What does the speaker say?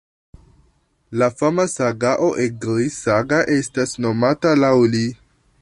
La fama sagao Egils-Saga estas nomata laŭ li.